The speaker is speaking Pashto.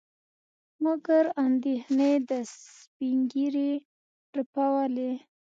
مګر اندېښنې د سپينږيري رپولې.